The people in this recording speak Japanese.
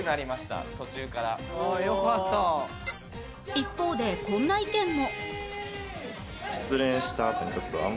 一方でこんな意見も